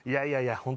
いやいや